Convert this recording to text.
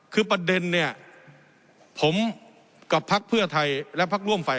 คือประเด็นเนี่ยผมกับพักเพื่อไทยและพักร่วมฝ่าย